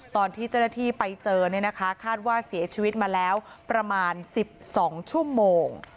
ตอนที่เจ้าหน้าที่ไปเจอเนี่ยนะคะคาดว่าเสียชีวิตมาแล้วประมาณ๑๒ชั่วโมง